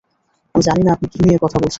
আমি জানি না আপনি কী নিয়ে কথা বলছেন!